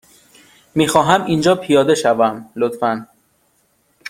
می خواهم اینجا پیاده شوم، لطفا.